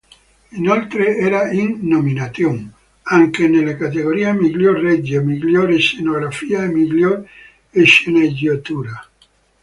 Inoltre era in nomination anche nelle categorie "miglior regia", "miglior scenografia" e "miglior sceneggiatura".